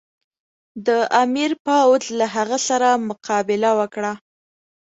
د امیر پوځ له هغه سره مقابله وکړه.